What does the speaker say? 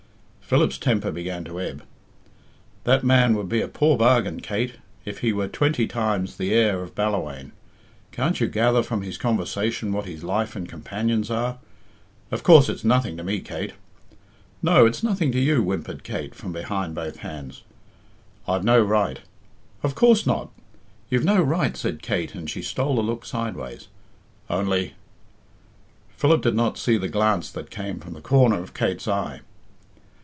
Philip's temper began to ebb. "That man would be a poor bargain, Kate, if he were twenty times the heir of Ballawhaine. Can't you gather from his conversation what his life and companions are? Of course it's nothing to me, Kate " "No, it's nothing to you," whimpered Kate, from behind both hands. "I've no right " "Of course not; you've no right," said Kate, and she stole a look sideways. "Only " Philip did not see the glance that came from the corner of Kate's eye.